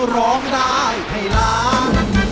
ร้องได้ให้ล้าน